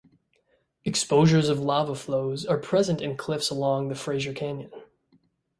Exposures of lava flows are present in cliffs along the Fraser Canyon.